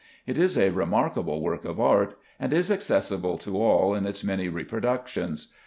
It is a remarkable work of art, and is accessible to all in its many reproductions.